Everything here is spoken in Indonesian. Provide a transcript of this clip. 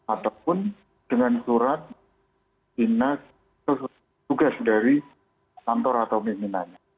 ataupun dengan surat dinas tugas dari kantor atau pimpinannya